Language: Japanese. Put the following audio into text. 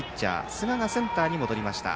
寿賀がセンターに戻りました。